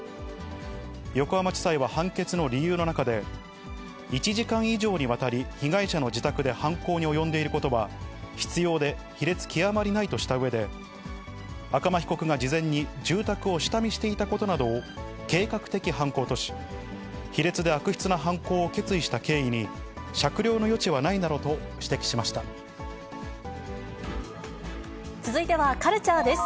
横浜地裁は判決の理由の中で、１時間以上にわたり被害者の自宅で犯行に及んでいることは、執ようで卑劣極まりないとしたうえで、赤間被告が事前に、住宅を下見していたことなどを計画的犯行とし、卑劣で悪質な犯行を決意した経緯に、酌量の余地はないなどと指摘続いてはカルチャーです。